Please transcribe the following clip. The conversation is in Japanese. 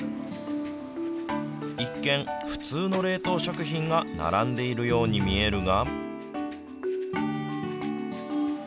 一見、普通の冷凍食品が並んでいるように見えるが。